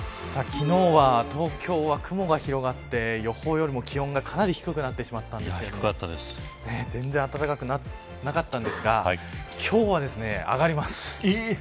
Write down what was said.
昨日は東京は雲が広がって予報よりも気温がかなり低くなってしまったんですけれども全然、暖かくなかったんですが今日は上がります。